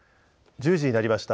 １０時になりました。